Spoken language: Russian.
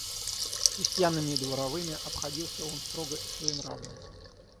С крестьянами и дворовыми обходился он строго и своенравно.